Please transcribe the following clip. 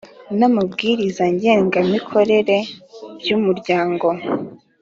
n amabwiriza ngengamikorere by Umuryango